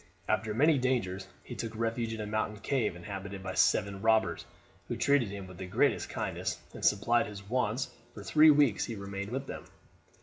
After many dangers he took refuge in a mountain cave inhabited by seven robbers, who treated him with the greatest kindness, and supplied his wants for the three weeks he remained with them.